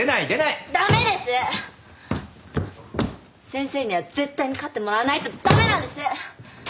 先生には絶対に勝ってもらわないと駄目なんです！